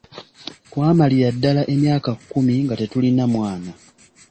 Twamalira ddala emyaka kkumi nga tetulina mwana.